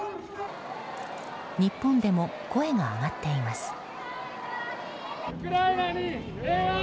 日本でも声が上がっています。